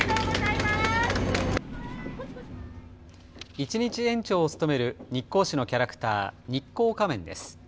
一日園長を務める日光市のキャラクター、日光仮面です。